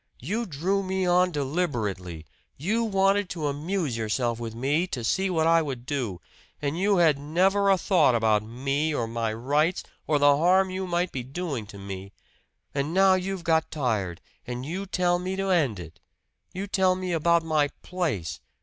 You drew me on deliberately you wanted to amuse yourself with me, to see what I would do. And you had never a thought about me, or my rights, or the harm you might be doing to me! And now you've got tired and you tell me to end it! You tell me about my 'place!'